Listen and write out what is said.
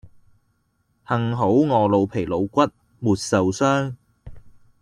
幸好我老皮老骨沒受傷